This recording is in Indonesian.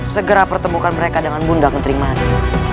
segera pertemukan mereka dengan bunda genteri manik